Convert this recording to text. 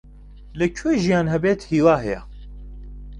لەکوێ ژیان هەبێت، هیوا هەیە.